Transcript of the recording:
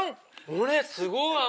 これすごい甘い。